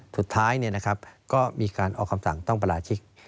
สุดท้ายก็มีการออกคำสั่งต้องประราชิก